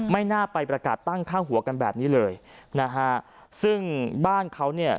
ไม่น่าไปประกาศตั้งค่าหัวกันแบบนี้เลยนะฮะซึ่งบ้านเขาเนี่ย